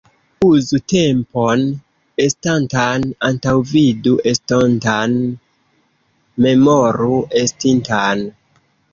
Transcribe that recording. Uzu tempon estantan, antaŭvidu estontan, memoru estintan.